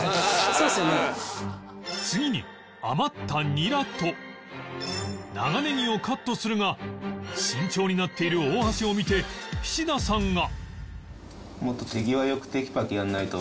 次に余ったニラと長ネギをカットするが慎重になっている大橋を見て菱田さんがパッパパッパ切らないと。